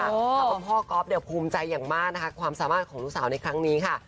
ทำให้พ่อก๊อฟเนี่ยภูมิใจอย่างมากนะคะความสามารถของลูกสาวในครั้งนี้ค่ะ